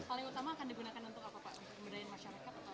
paling utama akan digunakan untuk apa pak